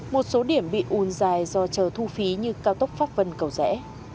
một số điểm bị ùn dài do chờ thu phí như cao tốc pháp vân cầu rẽ